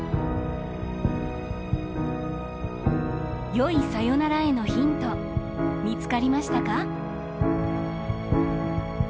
良いさよならへのヒント見つかりましたか？